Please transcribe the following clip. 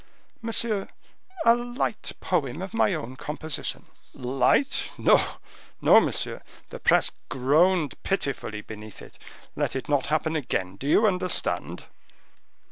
"Monsieur, a light poem of my own composition." "Light! no, no, monsieur; the press groaned pitifully beneath it. Let it not happen again. Do you understand?"